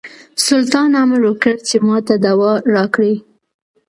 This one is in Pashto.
سلطان امر وکړ چې ماته دوا راکړي.